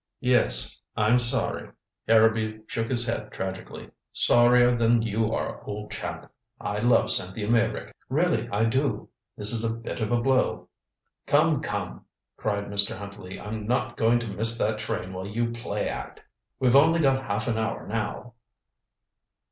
"Yes I'm sorry." Harrowby shook his head tragically. "Sorrier than you are, old chap. I love Cynthia Meyrick really I do. This is a bit of a blow." "Come, come!" cried Mr. Huntley. "I'm not going to miss that train while you play act. We've only got half an hour, now."